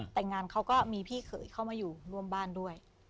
แต่งงานเขาก็มีพี่เขยเข้ามาอยู่ร่วมบ้านด้วย